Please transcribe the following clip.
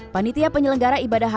panitia penyelenggara ibadah